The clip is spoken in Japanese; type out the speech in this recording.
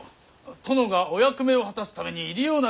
殿がお役目を果たすために入り用な金だ。